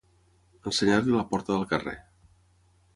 Ensenyar-li la porta del carrer.